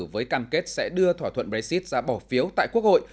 với cam kết sẽ đưa thỏa thuận brexit ra bỏ phiếu tại quốc hội